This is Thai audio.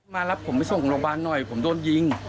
มารับผมไปส่งโรงพยาบาลหน่อยผมโดนยิง